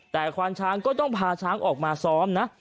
แต่ควานช้างก็ต้องพาช้างออกมาซ้อมนะ